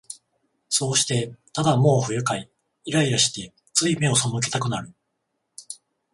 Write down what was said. そうして、ただもう不愉快、イライラして、つい眼をそむけたくなる